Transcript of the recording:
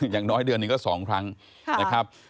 อย่างน้อยเดือนหนึ่งก็๒ครั้งนะครับ